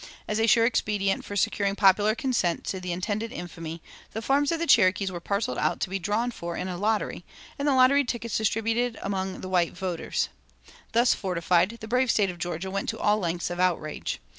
As a sure expedient for securing popular consent to the intended infamy, the farms of the Cherokees were parceled out to be drawn for in a lottery, and the lottery tickets distributed among the white voters. Thus fortified, the brave State of Georgia went to all lengths of outrage.